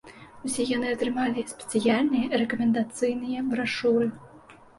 Усе яны атрымалі спецыяльныя рэкамендацыйныя брашуры.